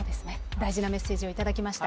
大事なメッセージを頂きました。